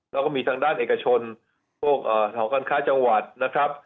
แล้วก็มีทางด้านเอกชนพวกหอการค้าจังหวัดนะครับ